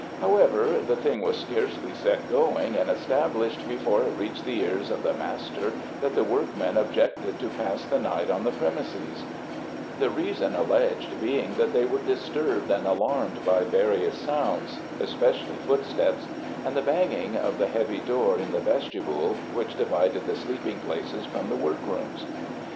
"However, the thing was scarcely set going and established before it reached the ears of the master that the workmen objected to pass the night on the premises; the reason alleged being that they were disturbed and alarmed by various sounds, especially footsteps, and the banging of the heavy door in the vestibule which divided the sleeping places from the workrooms.